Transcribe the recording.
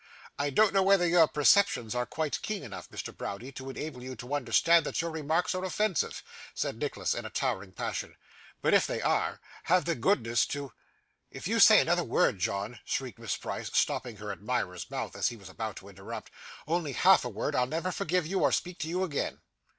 'I don't know whether your perceptions are quite keen enough, Mr Browdie, to enable you to understand that your remarks are offensive,' said Nicholas in a towering passion, 'but if they are, have the goodness to ' 'If you say another word, John,' shrieked Miss Price, stopping her admirer's mouth as he was about to interrupt, 'only half a word, I'll never forgive you, or speak to you again.